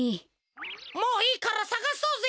もういいからさがそうぜ！